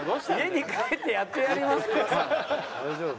大丈夫？